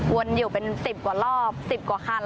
วนอยู่เป็น๑๐กว่ารอบ๑๐กว่าคัน